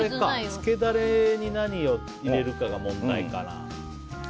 つけダレに何を入れるのかが問題かな。